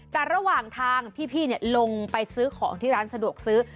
แต่ระหว่างทางพี่ลงไปซื้อของที่ร้านสะดวกซื้อ